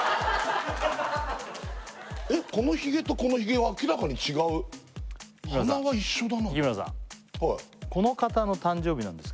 えっこのヒゲとこのヒゲは明らかに違う鼻は一緒だな日村さん